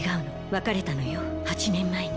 別れたのよ８年前に。